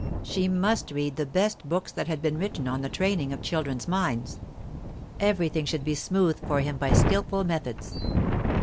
She must read the best books that had been written on the training of children's minds; everything should be smoothed for him by skilful methods.